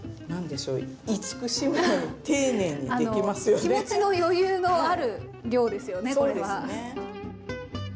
まあ気持ちの余裕のある量ですよねこれは。